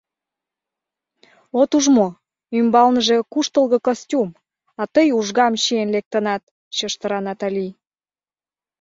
От уж мо: ӱмбалныже куштылго костюм, а тый ужгам чиен лектынат, — чыштыра Натали.